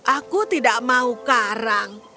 aku tidak mau karang